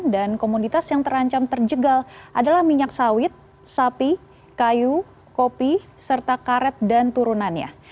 dan komoditas yang terancam terjegal adalah minyak sawit sapi kayu kopi serta karet dan turunannya